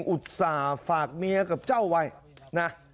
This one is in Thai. อุตส่าห์ฝากเมียกับเจ้าไว้นะ